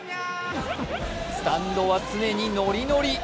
スタンドは常にノリノリ。